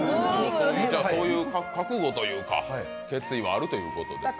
そういう覚悟というか決意はあるということですね。